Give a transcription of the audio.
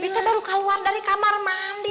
kita baru keluar dari kamar mandi